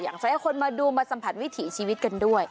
อยากจะให้คนมาดูมาสัมผัสวิถีชีวิตกันด้วย